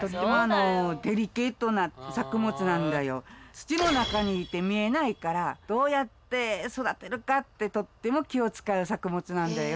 土の中にいて見えないからどうやって育てるかってとっても気を使う作物なんだよ。